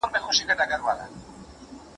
د هغوی عزت زموږ عزت دی.